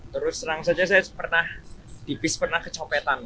terus serang saja saya pernah di bis pernah kecopetan